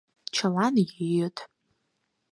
Чылан йӱыт.